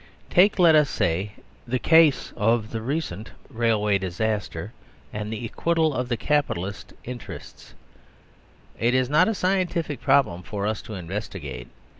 Take, let us say, the ease of the recent railway disaster, and the acquittal of the capitalists' interest. It is not a scientific problem for us to investigate.